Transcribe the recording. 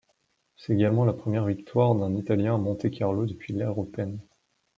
C'est également la première victoire d'un Italien à Monte-Carlo depuis l'ère Open.